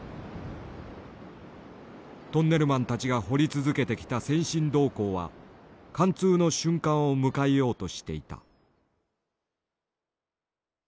トンネルマンたちが掘り続けてきた先進導坑は貫通の瞬間を迎えようとしていた。